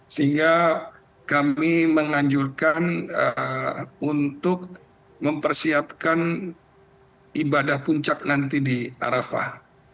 sehingga kami menganjurkan untuk mempersiapkan ibadah puncak nanti di arafah